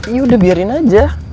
iya udah biarin aja